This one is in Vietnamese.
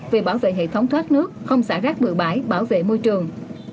về bảo vệ hệ thống thoát nước không xả rác bừa bãi bảo vệ môi trường